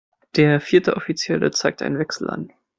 Der vierte Offizielle zeigt einen Wechsel an.